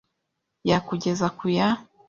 ya kugeza ku ya